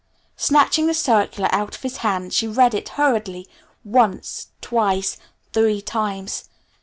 Snatching the circular out of his hand she read it hurriedly, once, twice, three times.